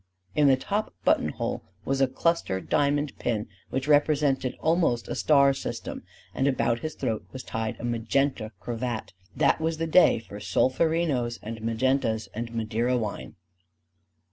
In the top button hole was a cluster diamond pin which represented almost a star system; and about his throat was tied a magenta cravat: that was the day for solferinos and magentas and Madeira wine.